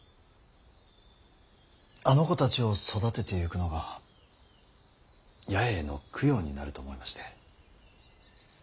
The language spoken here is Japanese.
あの子たちを育てていくのが八重への供養になると思いまして。